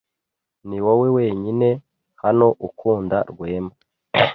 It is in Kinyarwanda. Niwowe wenyine hano ukunda Rwema.